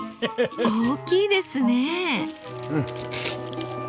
大きいですね。